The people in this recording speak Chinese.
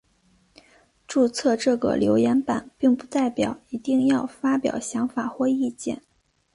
注册这个留言版并不代表一定要发表想法或意见。